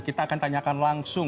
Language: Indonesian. kita akan tanyakan langsung